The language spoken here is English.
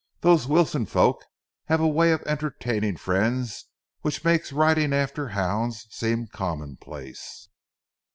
Those Wilson folks have a way of entertaining friends which makes riding after hounds seem commonplace.